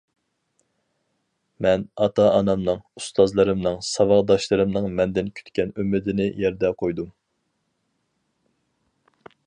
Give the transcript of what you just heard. -مەن ئاتا-ئانامنىڭ، ئۇستازلىرىمنىڭ، ساۋاقداشلىرىمنىڭ مەندىن كۈتكەن ئۈمىدىنى يەردە قويدۇم.